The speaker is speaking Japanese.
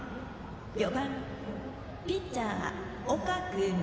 ４番ピッチャー、岡君。